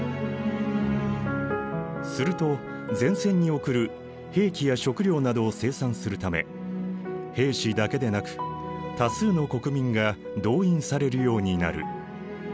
すると前線に送る兵器や食料などを生産するため兵士だけでなく多数の国民が動員されるようになる。